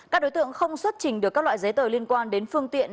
các đối tượng không xuất trình được các loại giấy tờ liên quan đến phương tiện